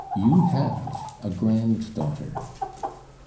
You have a grand daughter.'